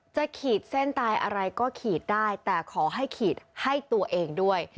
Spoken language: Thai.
ขีดเส้นตายอะไรก็ขีดได้แต่ขอให้ขีดให้ตัวเองด้วย